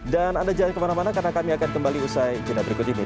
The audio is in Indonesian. dan anda jangan kemana mana karena kami akan kembali usai cerita berikut ini